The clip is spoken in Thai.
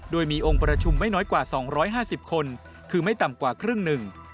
โดยมีองค์ประชุมไม่น้อยกว่า๒๕๐คนคือไม่ต่ำกว่าครึ่งหนึ่ง